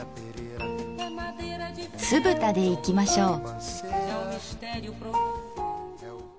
すぶたでいきましょう。